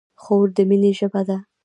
خور د مینې ژبه ده.